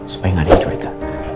supaya nggak ada yang curiga